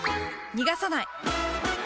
逃がさない！